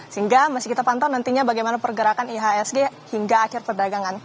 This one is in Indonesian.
sehingga masih kita pantau nantinya bagaimana pergerakan ihsg hingga akhir perdagangan